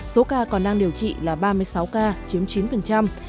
số ca còn đang điều trị là ba mươi sáu ca chiếm chín